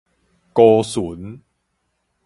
姑巡